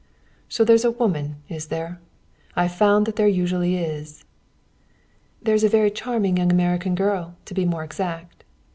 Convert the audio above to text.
So there's a woman, is there? I've found that there usually is!" "There's a very charming young American girl, to be more exact."